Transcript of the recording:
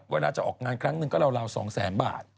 เวลาจะออกงานครั้งนึงก็ราว๒๐๐๐๐๐บาท